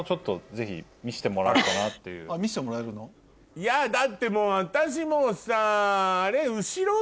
いやだってもう私もうさあれ。